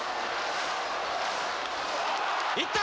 いった！